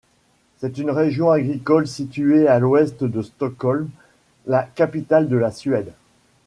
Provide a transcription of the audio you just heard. C'est une région agricole située à l'ouest de Stockholm, la capitale de la Suède.